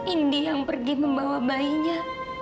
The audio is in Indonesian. indi yang pergi membawa bayinya